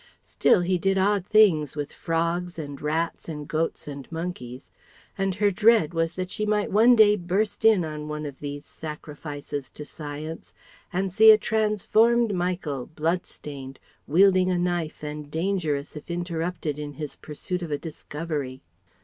Still he did odd things with frogs and rats and goats and monkeys; and her dread was that she might one day burst in on one of these sacrifices to science and see a transformed Michael, blood stained, wielding a knife and dangerous if interrupted in his pursuit of a discovery.